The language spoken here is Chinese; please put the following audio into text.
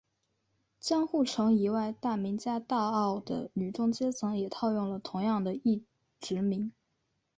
江户城以外大名家大奥的女中阶层也套用了同样的役职名。